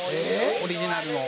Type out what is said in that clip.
「オリジナルの」